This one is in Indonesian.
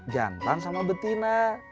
jantan sama betina